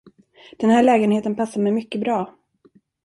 Den här lägenheten passar mig mycket bra.